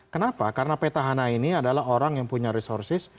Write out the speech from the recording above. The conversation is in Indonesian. kenapa karena petahana ini adalah orang yang punya resources